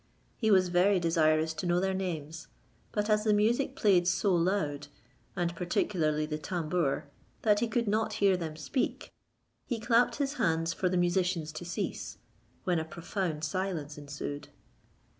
He was very desirous to know their names; but as the music played so loud, and particularly the tambour, that he could not hear them speak, he clapped his hands for the musicians to cease, when a profound silence ensued.